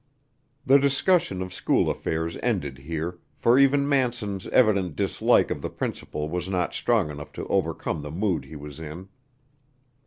The discussion of school affairs ended here, for even Manson's evident dislike of the principal was not strong enough to overcome the mood he was in.